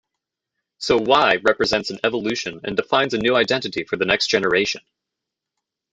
So "Y" represents an evolution and defines a new identity for the next generation.